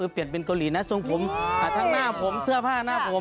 เปลี่ยนเป็นเกาหลีนะทรงผมทั้งหน้าผมเสื้อผ้าหน้าผม